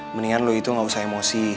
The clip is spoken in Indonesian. mendingan lu itu gak usah emosi